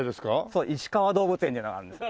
そういしかわ動物園っていうのがあるんです。